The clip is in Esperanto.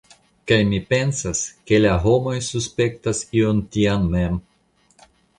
Kaj mi pensas, ke la homoj suspektas ion tian mem.